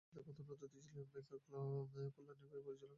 এতে প্রধান অতিথি ছিলেন ব্যাংকের খুলনার নির্বাহী পরিচালক শেখ আজিজুল হক।